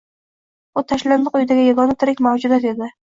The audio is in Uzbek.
U tashlandiq uydagi yagona tirik mavjudot edi.